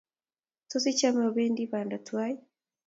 Tos, ichame obendi banda tuwai?